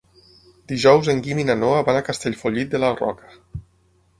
Dijous en Guim i na Noa van a Castellfollit de la Roca.